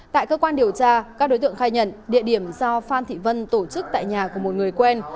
tại cơ quan điều tra các đối tượng khai nhận địa điểm do phan thị vân tổ chức tại nhà của một người quen